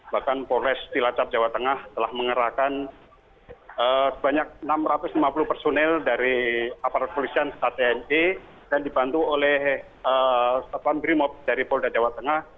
bahkan polres cilacap jawa tengah telah mengerahkan sebanyak enam ratus lima puluh personel dari aparat polisian tni dan dibantu oleh satuan brimob dari polda jawa tengah